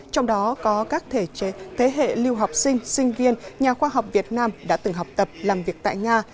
trong đó có các thế hệ lưu học sinh sinh viên nhà khoa học việt nam đã từng học tập làm việc tại nga